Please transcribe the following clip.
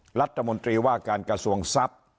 พระพัทย์ตะมนตรีว่าการกระทรวงทรัพย์